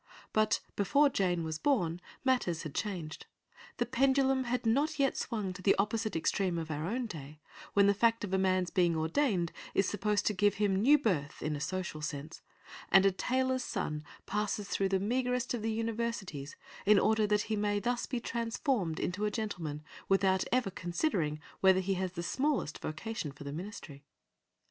But before Jane was born, matters had changed. The pendulum had not yet swung to the opposite extreme of our own day, when the fact of a man's being ordained is supposed to give him new birth in a social sense, and a tailor's son passes through the meagrest of the Universities in order that he may thus be transformed into a gentleman without ever considering whether he has the smallest vocation for the ministry.